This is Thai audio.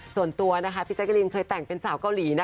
ส่วนตัวนะคะพี่แจ๊กรีนเคยแต่งเป็นสาวเกาหลีนะ